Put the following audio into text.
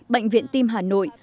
bệnh viện tim hà nội